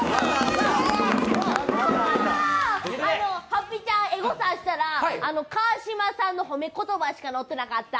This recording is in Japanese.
はっぴちゃん、エゴサしたら川島さんの褒め言葉しか載ってなかった。